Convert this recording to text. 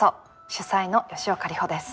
主宰の吉岡里帆です。